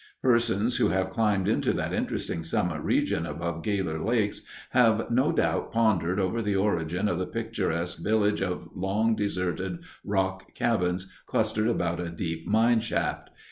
Persons who have climbed into that interesting summit region above Gaylor Lakes have no doubt pondered over the origin of the picturesque village of long deserted rock cabins clustered about a deep mine shaft.